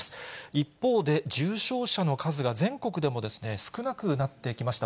一方で、重症者の数が全国でも少なくなってきました。